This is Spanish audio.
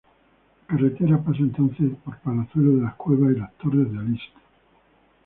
La carretera pasa entonces por Palazuelo de las Cuevas y Las Torres de Aliste.